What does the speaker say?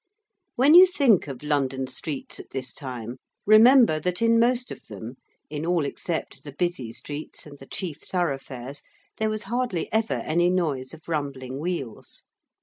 When you think of London streets at this time remember that in most of them, in all except the busy streets and the chief thoroughfares, there was hardly ever any noise of rumbling wheels.